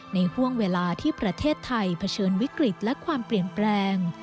ห่วงเวลาที่ประเทศไทยเผชิญวิกฤตและความเปลี่ยนแปลง